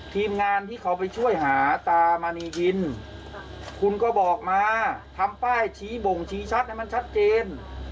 ทีมงานที่เขาไปช่วยหาตามียินคุณก็บอกมาทำป้ายชี้บ่งชี้ชัดให้มันชัดเจน